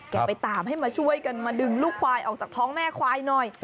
ไปตามให้มาช่วยกันมาดึงลูกควายออกจากท้องแม่ควายหน่อย